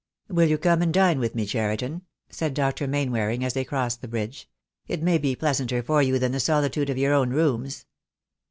"Will you come home and dine with me, Cheriton?" said Dr. Mainwaring, as they crossed the bridge. "It may be pleasanter for you than the solitude of your own rooms."